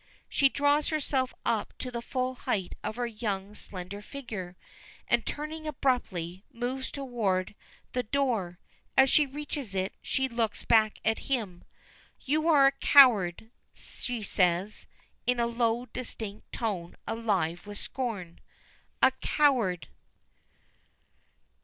She draws herself up to the full height of her young, slender figure, and, turning abruptly, moves toward the door. As she reaches it, she looks back at him. "You are a coward!" she says, in a low, distinct tone alive with scorn. "A coward!"